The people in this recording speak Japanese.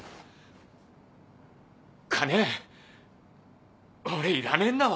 金俺いらねえんだわ。